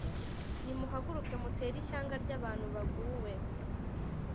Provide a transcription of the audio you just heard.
Nimuhaguruke mutere ishyanga ry abantu baguwe